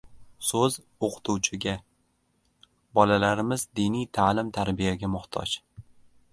So‘z o‘qituvchiga: "Bolalarimiz diniy ta’lim-tarbiyaga muhtoj"